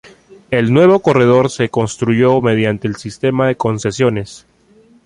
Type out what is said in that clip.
El nuevo corredor se construyó mediante el sistema de concesiones.